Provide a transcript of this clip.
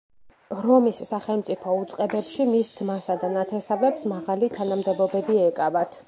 რომის სახელმწიფო უწყებებში მის ძმასა და ნათესავებს მაღალი თანამდებობები ეკავათ.